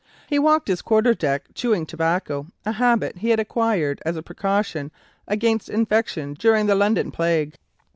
He walked his quarter deck chewing tobacco, a habit he had acquired as a precaution against infection during the London plague.